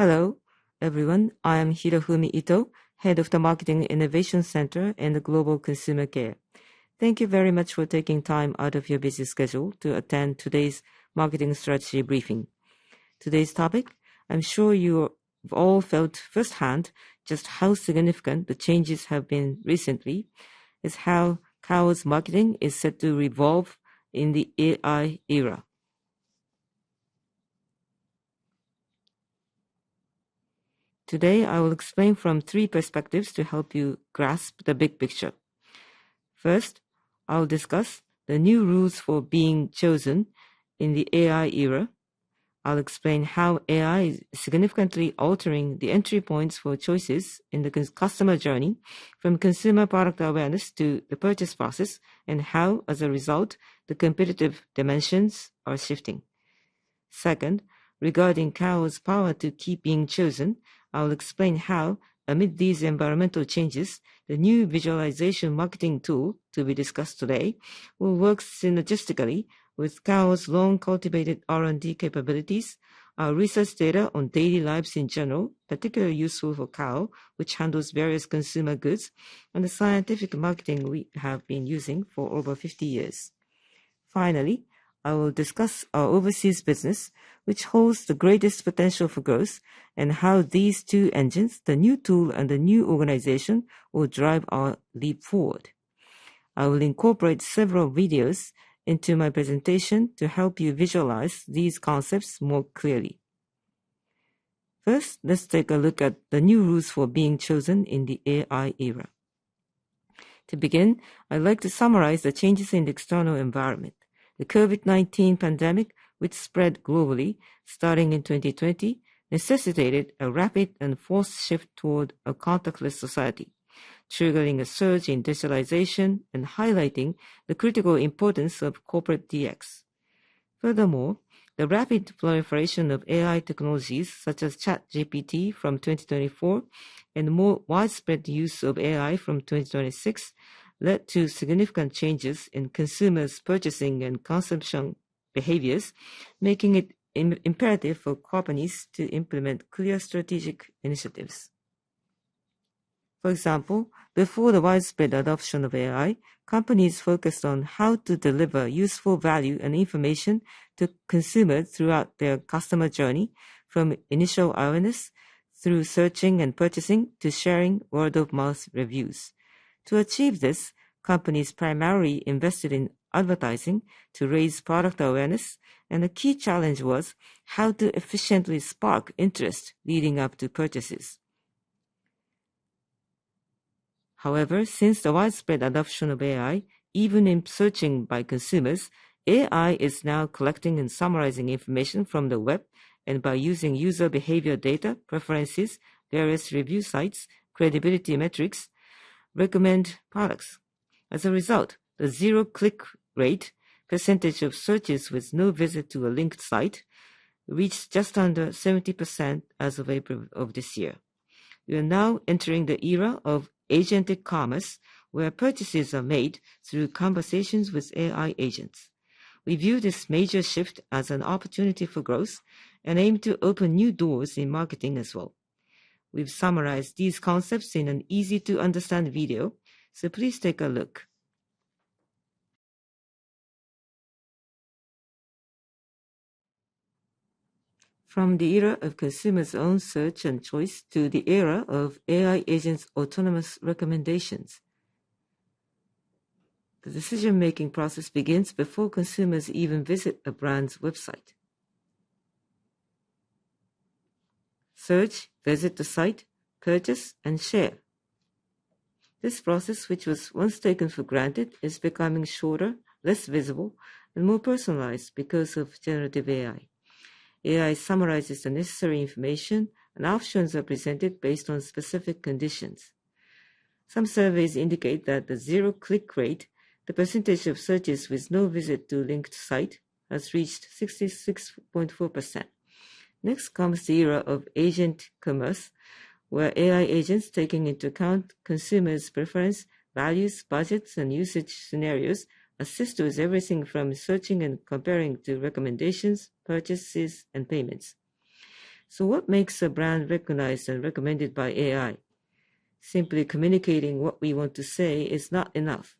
Hello, everyone. I am Hirofumi Ito, head of the Marketing Innovation Center in the Global Consumer Care. Thank you very much for taking time out of your busy schedule to attend today's marketing strategy briefing. Today's topic, I'm sure you've all felt firsthand just how significant the changes have been recently, is how Kao's marketing is set to revolve in the AI era. Today, I will explain from three perspectives to help you grasp the big picture. First, I'll discuss the new rules for being chosen in the AI era. I'll explain how AI is significantly altering the entry points for choices in the customer journey, from consumer product awareness to the purchase process, and how, as a result, the competitive dimensions are shifting. Second, regarding Kao's power to keep being chosen, I'll explain how, amid these environmental changes, the new visualization marketing tool to be discussed today will work synergistically with Kao's long-cultivated R&D capabilities, our research data on daily lives in general, particularly useful for Kao, which handles various consumer goods, and the scientific marketing we have been using for over 50 years. Finally, I will discuss our overseas business, which holds the greatest potential for growth, and how these two engines, the new tool and the new organization, will drive our leap forward. I will incorporate several videos into my presentation to help you visualize these concepts more clearly. First, let's take a look at the new rules for being chosen in the AI era. To begin, I'd like to summarize the changes in the external environment. The COVID-19 pandemic, which spread globally starting in 2020, necessitated a rapid and forced shift toward a contactless society, triggering a surge in digitalization and highlighting the critical importance of corporate DX. Furthermore, the rapid proliferation of AI technologies such as ChatGPT from 2024 and more widespread use of AI from 2026 led to significant changes in consumers' purchasing and consumption behaviors, making it imperative for companies to implement clear strategic initiatives. For example, before the widespread adoption of AI, companies focused on how to deliver useful value and information to consumers throughout their customer journey, from initial awareness through searching and purchasing, to sharing word-of-mouth reviews. To achieve this, companies primarily invested in advertising to raise product awareness, and the key challenge was how to efficiently spark interest leading up to purchases. However, since the widespread adoption of AI, even in searching by consumers, AI is now collecting and summarizing information from the web, and by using user behavior data, preferences, various review sites, credibility metrics, recommend products. As a result, the zero-click rate, percentage of searches with no visit to a linked site, reached just under 70% as of April of this year. We are now entering the era of agentic commerce, where purchases are made through conversations with AI agents. We view this major shift as an opportunity for growth and aim to open new doors in marketing as well. We've summarized these concepts in an easy-to-understand video, so please take a look. From the era of consumer's own search and choice to the era of AI agent's autonomous recommendations. The decision-making process begins before consumers even visit a brand's website. Search, visit the site, purchase, and share. This process, which was once taken for granted, is becoming shorter, less visible, and more personalized because of generative AI. AI summarizes the necessary information, and options are presented based on specific conditions. Some surveys indicate that the zero-click rate, the percentage of searches with no visit to linked site, has reached 66.4%. Next comes the era of agentic commerce, where AI agents, taking into account consumers' preference, values, budgets, and usage scenarios, assist with everything from searching and comparing, to recommendations, purchases, and payments. What makes a brand recognized and recommended by AI? Simply communicating what we want to say is not enough.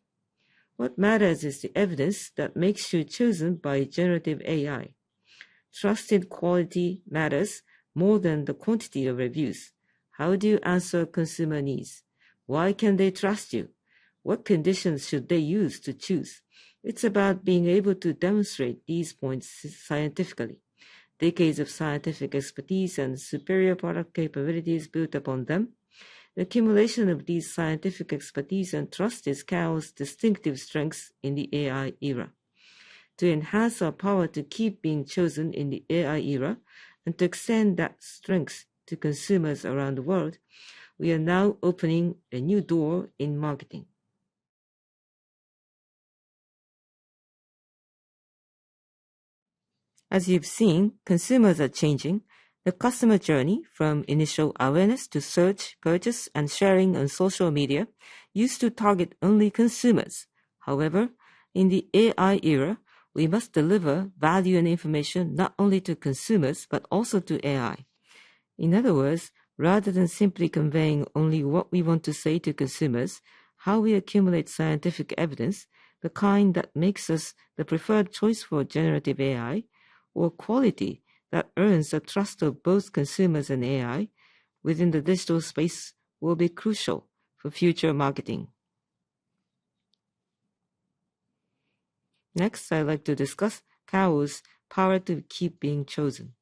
What matters is the evidence that makes you chosen by generative AI. Trusted quality matters more than the quantity of reviews. How do you answer consumer needs? Why can they trust you? What conditions should they use to choose? It's about being able to demonstrate these points scientifically. Decades of scientific expertise and superior product capabilities built upon them. The accumulation of this scientific expertise and trust is Kao's distinctive strength in the AI era. To enhance our power to keep being chosen in the AI era, and to extend that strength to consumers around the world, we are now opening a new door in marketing. As you've seen, consumers are changing. The customer journey from initial awareness to search, purchase, and sharing on social media used to target only consumers. However, in the AI era, we must deliver value and information not only to consumers but also to AI. In other words, rather than simply conveying only what we want to say to consumers, how we accumulate scientific evidence, the kind that makes us the preferred choice for generative AI, or quality that earns the trust of both consumers and AI within the digital space will be crucial for future marketing. I'd like to discuss Kao's power to keep being chosen.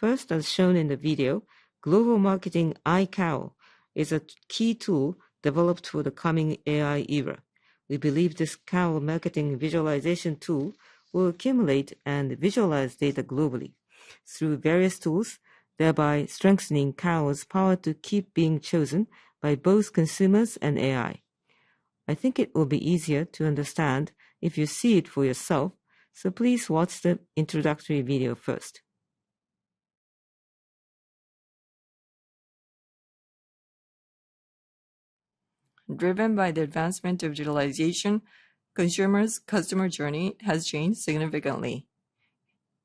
As shown in the video, Global Marketing i-Kao is a key tool developed for the coming AI era. We believe this Kao marketing visualization tool will accumulate and visualize data globally through various tools, thereby strengthening Kao's power to keep being chosen by both consumers and AI. I think it will be easier to understand if you see it for yourself, so please watch the introductory video first. Driven by the advancement of digitalization, consumer's customer journey has changed significantly,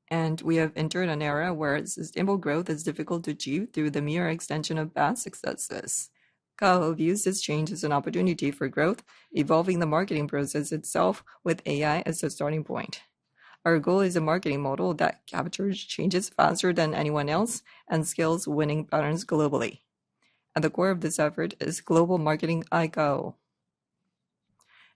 and we have entered an era where sustainable growth is difficult to achieve through the mere extension of past successes. Kao views this change as an opportunity for growth, evolving the marketing process itself with AI as the starting point. Our goal is a marketing model that captures changes faster than anyone else and scales winning patterns globally. At the core of this effort is Global Marketing i-Kao.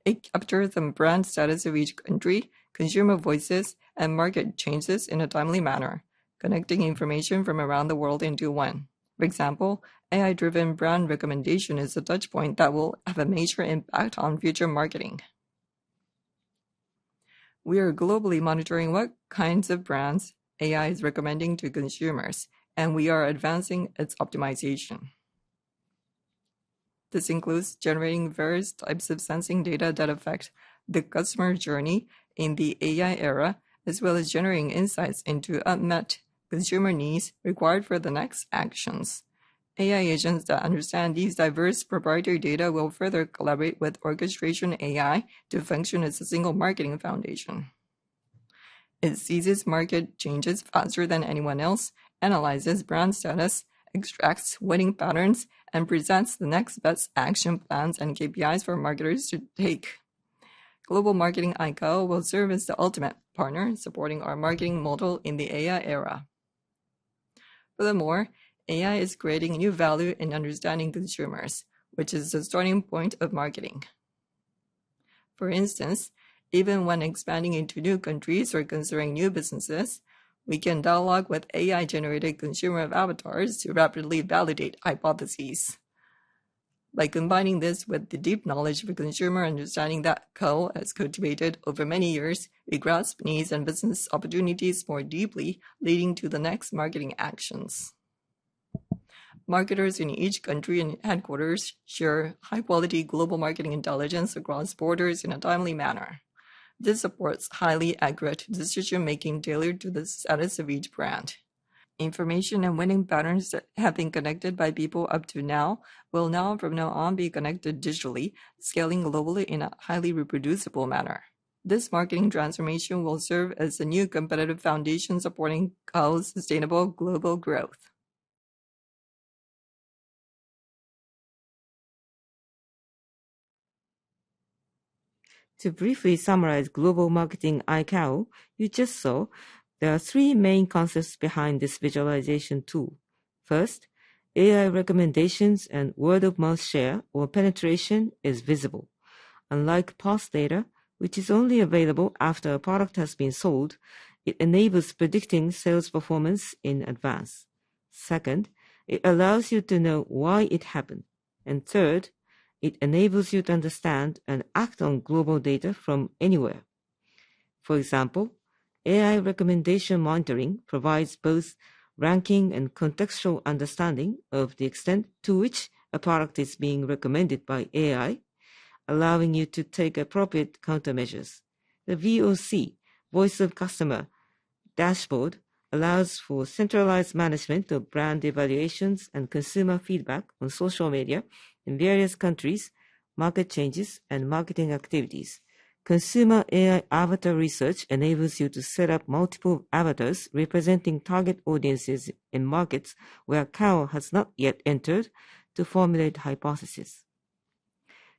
It captures the brand status of each country, consumer voices, and market changes in a timely manner, connecting information from around the world into one. For example, AI-driven brand recommendation is a touch point that will have a major impact on future marketing. We are globally monitoring what kinds of brands AI is recommending to consumers, and we are advancing its optimization. This includes generating various types of sensing data that affect the customer journey in the AI era, as well as generating insights into unmet consumer needs required for the next actions. AI agents that understand these diverse proprietary data will further collaborate with orchestration AI to function as a single marketing foundation. It seizes market changes faster than anyone else, analyzes brand status, extracts winning patterns, and presents the next best action plans and KPIs for marketers to take. Global Marketing i-Kao will serve as the ultimate partner supporting our marketing model in the AI era. Furthermore, AI is creating new value in understanding consumers, which is the starting point of marketing. For instance, even when expanding into new countries or considering new businesses, we can dialogue with AI-generated consumer avatars to rapidly validate hypotheses. By combining this with the deep knowledge of consumer understanding that Kao has cultivated over many years, we grasp needs and business opportunities more deeply, leading to the next marketing actions. Marketers in each country and headquarters share high-quality global marketing intelligence across borders in a timely manner. This supports highly accurate decision-making tailored to the status of each brand. Information and winning patterns that have been connected by people up to now will now from now on be connected digitally, scaling globally in a highly reproducible manner. This marketing transformation will serve as a new competitive foundation supporting Kao's sustainable global growth. To briefly summarize Global Marketing i-Kao you just saw, there are three main concepts behind this visualization tool. First, AI recommendations and word of mouth share or penetration is visible. Unlike past data, which is only available after a product has been sold, it enables predicting sales performance in advance. Second, it allows you to know why it happened. Third, it enables you to understand and act on global data from anywhere. For example, AI recommendation monitoring provides both ranking and contextual understanding of the extent to which a product is being recommended by AI, allowing you to take appropriate countermeasures. The VoC, Voice of Customer, dashboard allows for centralized management of brand evaluations and consumer feedback on social media in various countries, market changes, and marketing activities. Consumer AI avatar research enables you to set up multiple avatars representing target audiences in markets where Kao has not yet entered to formulate hypotheses.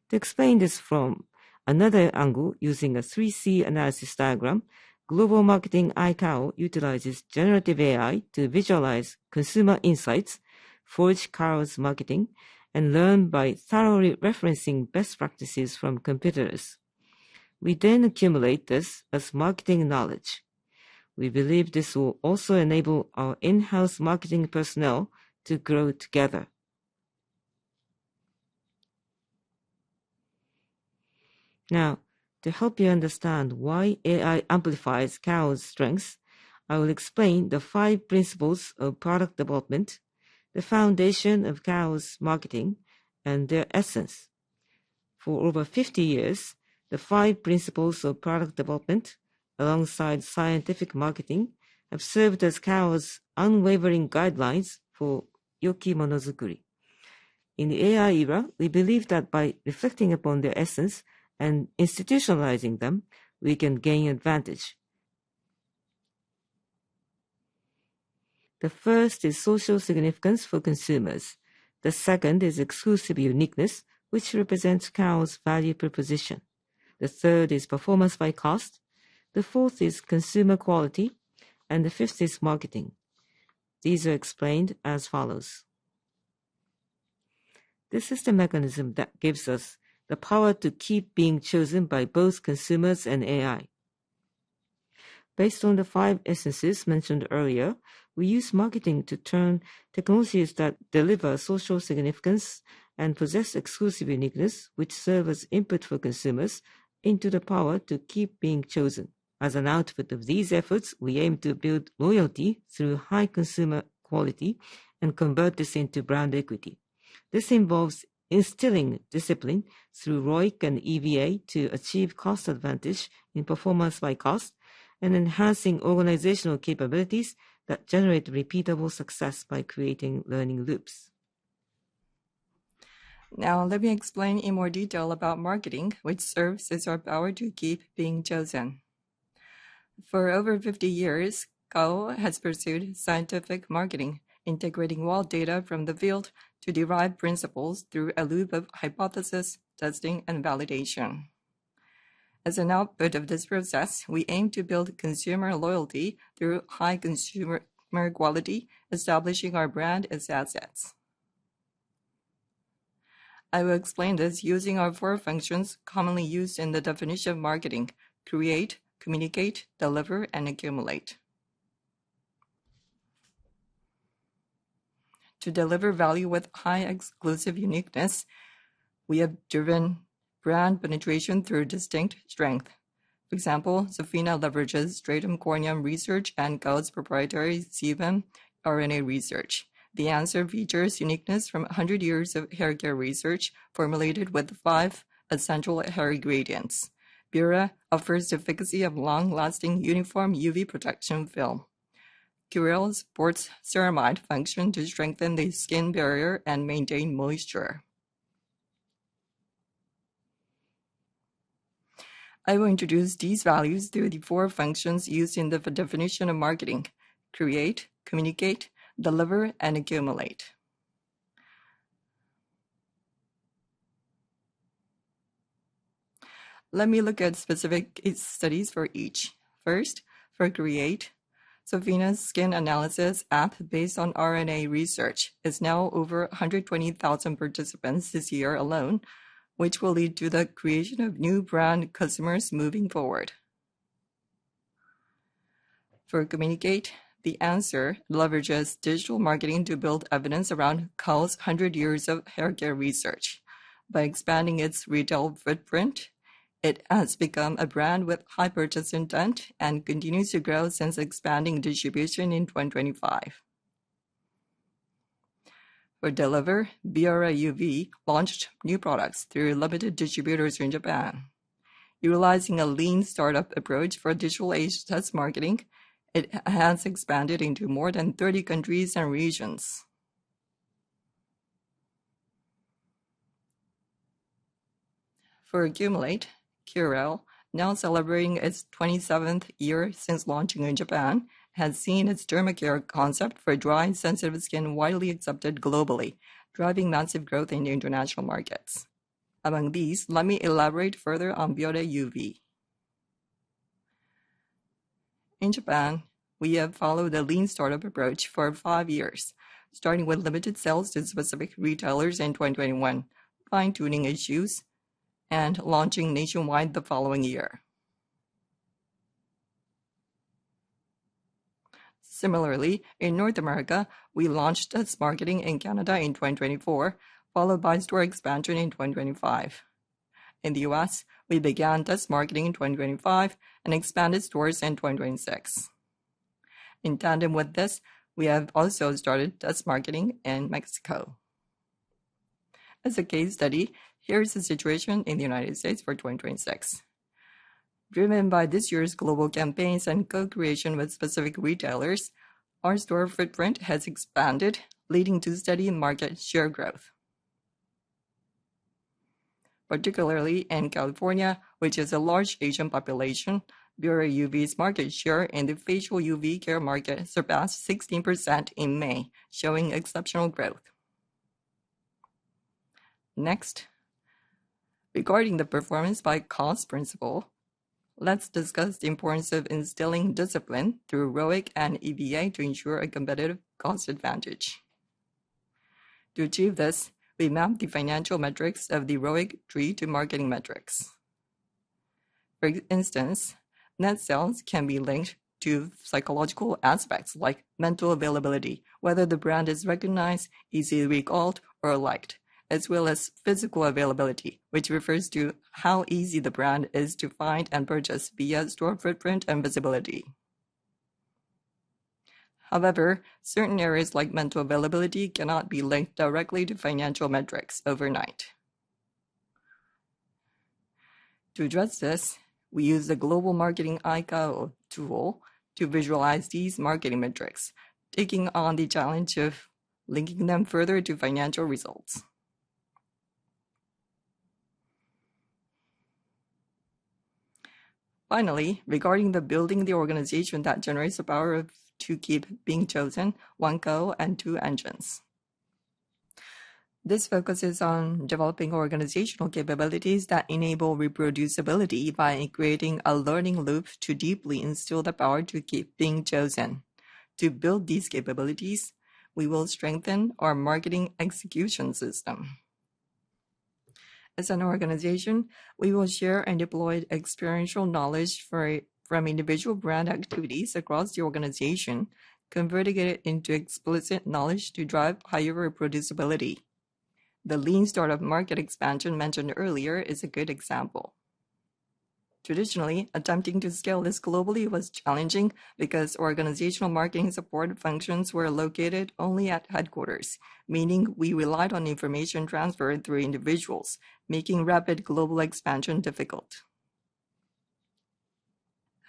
To explain this from another angle using a 3C analysis diagram, Global Marketing i-Kao utilizes generative AI to visualize consumer insights, forge Kao's marketing, and learn by thoroughly referencing best practices from competitors. We then accumulate this as marketing knowledge. We believe this will also enable our in-house marketing personnel to grow together. Now, to help you understand why AI amplifies Kao's strengths, I will explain the five principles of product development, the foundation of Kao's marketing, and their essence. For over 50 years, the five principles of product development Alongside scientific marketing have served as Kao's unwavering guidelines for Yoki-Monozukuri. In the AI era, we believe that by reflecting upon their essence and institutionalizing them, we can gain advantage. The first is social significance for consumers. The second is exclusive uniqueness, which represents Kao's value proposition. The third is performance by cost, the fourth is consumer quality, and the fifth is marketing. These are explained as follows. This is the mechanism that gives us the power to keep being chosen by both consumers and AI. Based on the five essences mentioned earlier, we use marketing to turn technologies that deliver social significance and possess exclusive uniqueness, which serve as input for consumers into the power to keep being chosen. As an output of these efforts, we aim to build loyalty through high consumer quality and convert this into brand equity. This involves instilling discipline through ROIC and EVA to achieve cost advantage in performance by cost and enhancing organizational capabilities that generate repeatable success by creating learning loops. Let me explain in more detail about marketing, which serves as our power to keep being chosen. For over 50 years, Kao has pursued scientific marketing, integrating raw data from the field to derive principles through a loop of hypothesis, testing, and validation. As an output of this process, we aim to build consumer loyalty through high consumer quality, establishing our brand as assets. I will explain this using our four functions commonly used in the definition of marketing: create, communicate, deliver, and accumulate. To deliver value with high exclusive uniqueness, we have driven brand penetration through distinct strength. For example, Sofina leverages stratum corneum research and Kao's proprietary sebum RNA research. The Answer features uniqueness from 100 years of hair care research formulated with five essential hair ingredients. Bioré offers the efficacy of long-lasting uniform UV protection film. Curél supports ceramide function to strengthen the skin barrier and maintain moisture. I will introduce these values through the four functions used in the definition of marketing: create, communicate, deliver, and accumulate. Let me look at specific case studies for each. First, for create, Sofina's skin analysis app based on RNA research is now over 120,000 participants this year alone, which will lead to the creation of new brand customers moving forward. For communicate, The Answer leverages digital marketing to build evidence around Kao's 100 years of hair care research. By expanding its retail footprint, it has become a brand with high purchase intent and continues to grow since expanding distribution in 2025. For deliver, Bioré UV launched new products through limited distributors in Japan. Utilizing a lean startup approach for digital-age test marketing, it has expanded into more than 30 countries and regions. For accumulate, Curél, now celebrating its 27th year since launching in Japan, has seen its dermacare concept for dry and sensitive skin widely accepted globally, driving massive growth in the international markets. Among these, let me elaborate further on Bioré UV. In Japan, we have followed a lean startup approach for five years, starting with limited sales to specific retailers in 2021, fine-tuning issues, and launching nationwide the following year. Similarly, in North America, we launched test marketing in Canada in 2024, followed by store expansion in 2025. In the U.S., we began test marketing in 2025 and expanded stores in 2026. In tandem with this, we have also started test marketing in Mexico. As a case study, here is the situation in the United States for 2026. Driven by this year's global campaigns and co-creation with specific retailers, our store footprint has expanded, leading to steady market share growth. Particularly in California, which has a large Asian population, Bioré UV's market share in the facial UV care market surpassed 16% in May, showing exceptional growth. Next, regarding the performance by cost principle, let's discuss the importance of instilling discipline through ROIC and EVA to ensure a competitive cost advantage. To achieve this, we map the financial metrics of the ROIC tree to marketing metrics. For instance, net sales can be linked to psychological aspects like mental availability, whether the brand is recognized, easily recalled, or liked, as well as physical availability, which refers to how easy the brand is to find and purchase via store footprint and visibility. Certain areas like mental availability cannot be linked directly to financial metrics overnight. To address this, we use the Global Marketing i-Kao tool to visualize these marketing metrics, taking on the challenge of linking them further to financial results. Finally, regarding the building the organization that generates the power to keep being chosen, One Kao and two engines. This focuses on developing organizational capabilities that enable reproducibility by creating a learning loop to deeply instill the power to keep being chosen. To build these capabilities, we will strengthen our marketing execution system. As an organization, we will share and deploy experiential knowledge from individual brand activities across the organization, converting it into explicit knowledge to drive higher reproducibility. The lean startup market expansion mentioned earlier is a good example. Traditionally, attempting to scale this globally was challenging because organizational marketing support functions were located only at headquarters, meaning we relied on information transfer through individuals, making rapid global expansion difficult.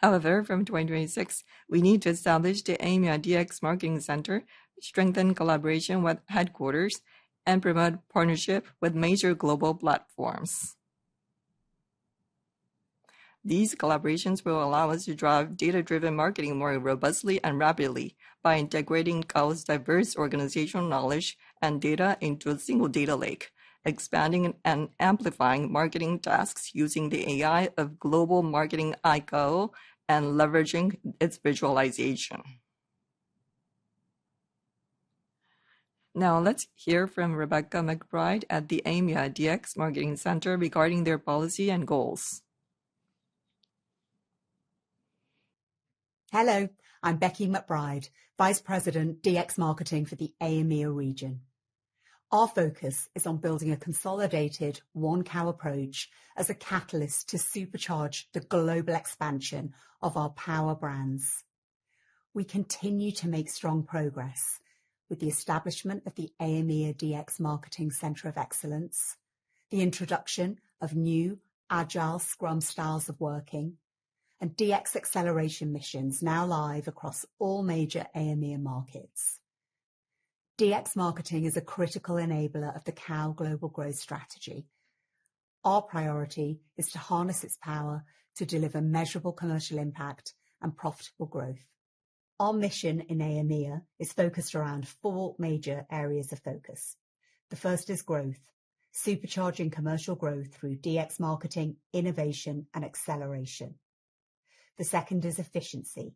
From 2026, we need to establish the AEMEA DX Marketing Center, strengthen collaboration with headquarters, and promote partnership with major global platforms. These collaborations will allow us to drive data-driven marketing more robustly and rapidly by integrating Kao's diverse organizational knowledge and data into a single data lake, expanding and amplifying marketing tasks using the AI of Global Marketing i-Kao and leveraging its visualization. Now let's hear from Rebecca McBride at the AEMEA DX Marketing Center regarding their policy and goals. Hello, I'm Becky McBride, Vice President DX Marketing for the EMEA region. Our focus is on building a consolidated One Kao approach as a catalyst to supercharge the global expansion of our power brands. We continue to make strong progress with the establishment of the AEMEA DX Marketing Center of Excellence, the introduction of new agile scrum styles of working, and DX acceleration missions now live across all major EMEA markets. DX marketing is a critical enabler of the Kao global growth strategy. Our priority is to harness its power to deliver measurable commercial impact and profitable growth. Our mission in EMEA is focused around four major areas of focus. The first is growth, supercharging commercial growth through DX marketing, innovation and acceleration. The second is efficiency,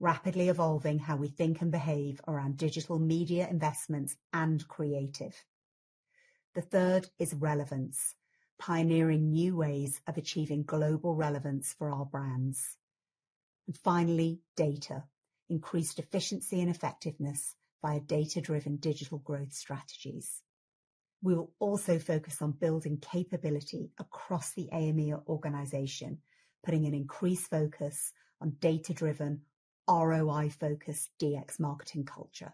rapidly evolving how we think and behave around digital media investments and creative. The third is relevance, pioneering new ways of achieving global relevance for our brands. Finally, data. Increased efficiency and effectiveness via data-driven digital growth strategies. We will also focus on building capability across the EMEA organization, putting an increased focus on data-driven, ROI-focused DX marketing culture.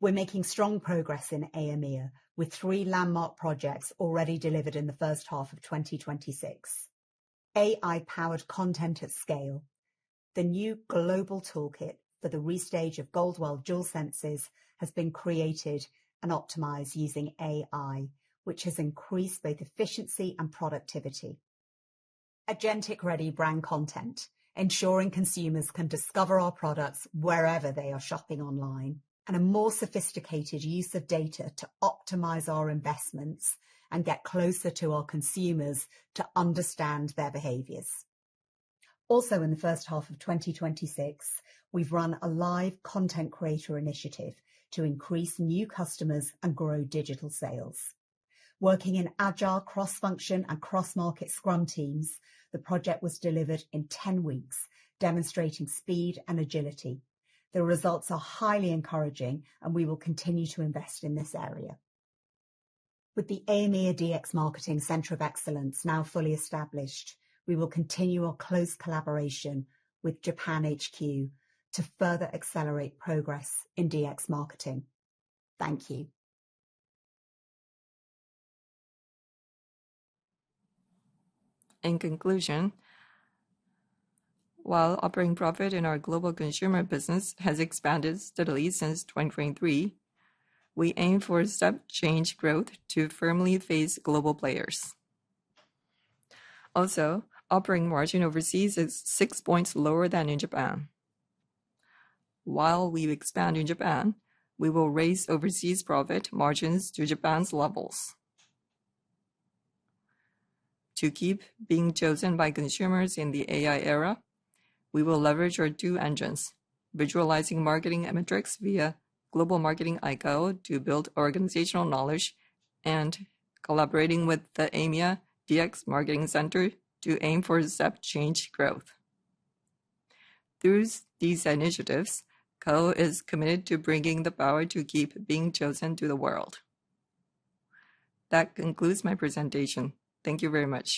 We're making strong progress in EMEA, with three landmark projects already delivered in the first half of 2026. AI powered content at scale. The new global toolkit for the restage of Goldwell Dualsenses has been created and optimized using AI, which has increased both efficiency and productivity. Agentic ready brand content, ensuring consumers can discover our products wherever they are shopping online, and a more sophisticated use of data to optimize our investments and get closer to our consumers to understand their behaviors. In the first half of 2026, we've run a live content creator initiative to increase new customers and grow digital sales. Working in agile cross-function and cross-market scrum teams, the project was delivered in 10 weeks, demonstrating speed and agility. The results are highly encouraging and we will continue to invest in this area. With the EMEA DX Marketing Center of Excellence now fully established, we will continue our close collaboration with Japan HQ to further accelerate progress in DX marketing. Thank you. In conclusion, while operating profit in our global consumer business has expanded steadily since 2023, we aim for step change growth to firmly face global players. Operating margin overseas is six points lower than in Japan. While we expand in Japan, we will raise overseas profit margins to Japan's levels. To keep being chosen by consumers in the AI era, we will leverage our two engines, visualizing marketing metrics via Global Marketing i-Kao to build organizational knowledge and collaborating with the EMEA DX Marketing Center to aim for step change growth. Through these initiatives, Kao is committed to bringing the power to keep being chosen to the world. That concludes my presentation. Thank you very much